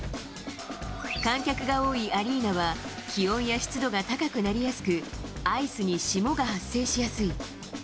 観客が多いアリーナは、気温や湿度が高くなりやすく、アイスに霜が発生しやすい。